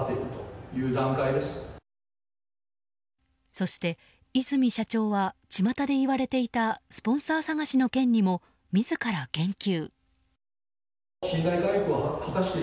そして、和泉社長はちまたでいわれていたスポンサー探しの件にも自ら言及。